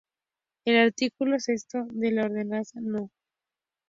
El artículo sexto de la Ordenanza No.